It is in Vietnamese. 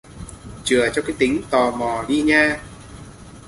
Chừa cho cái tính tò mò đi nha